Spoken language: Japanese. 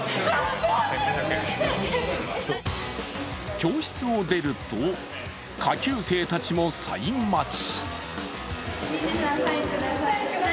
教室を出ると、下級生たちもサイン待ち。